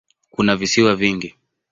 Kuna visiwa vingi.